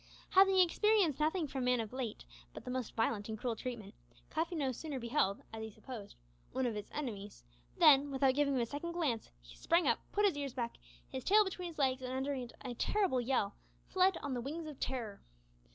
Having experienced nothing from man of late but the most violent and cruel treatment, Cuffy no sooner beheld, as he supposed, one of his enemies, than, without giving him a second glance, he sprang up, put his ears back, his tail between his legs, and, uttering a terrible yell, fled "on the wings of terror!"